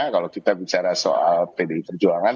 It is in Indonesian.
kalau kita bicara soal pdi perjuangan